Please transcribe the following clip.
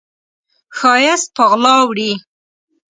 ښایست په غلا وړي